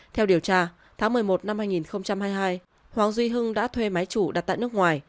theo điều tra tháng một mươi một năm hai nghìn hai mươi hai hoàng duy hưng đã thuê máy chủ đặt tại nước ngoài